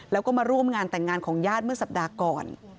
แล้วก็มาร่วมงานแต่งงานของญาติเมื่อสัปดาห์ก่อน